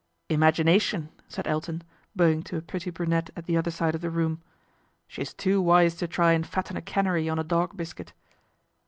" Imagination," said Elton, bowing to a pretty brunette at the other side of the room. " She is too wise to try and fatten a canary on a dog biscuit."